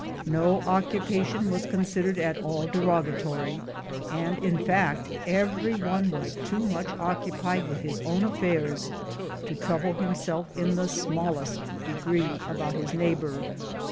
i No occupation was con sidered at all derogatory, and, in fact, every one was too much occupied with his own affairs to trouble himself in the smallest degree about his neighbor.